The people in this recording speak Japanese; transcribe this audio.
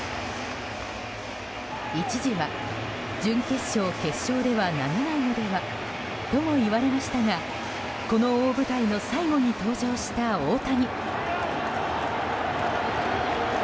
一時は準決勝、決勝では投げないのではとも言われましたがこの大舞台の最後に登場した大谷。